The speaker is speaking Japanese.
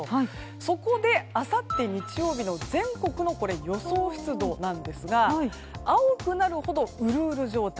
そこで、あさって日曜日の全国の予想湿度なんですが青くなるほどウルウル状態